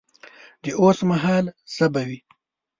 د اوس مهال ژبه وي